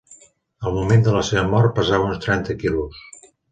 Al moment de la seva mort pesava uns trenta quilos.